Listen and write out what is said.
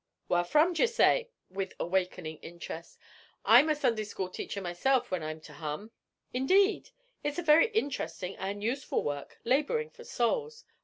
'Whar from, d'ye say?' with awakening interest. 'I'm a Sunday school teacher myself, when I'm to hum.' 'Indeed! It's a very interesting and useful work labouring for souls.